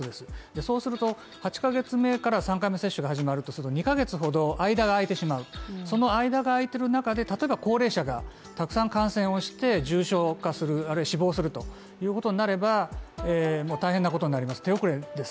そうすると、８ヶ月目から３回目接種が始まるとすると２ヶ月ほど間が空いてしまうその間が空いてる中で例えば高齢者がたくさん感染をして重症化するあるいは死亡すると、いうことになればもう大変なことになります手遅れです